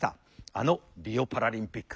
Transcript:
あのリオパラリンピック。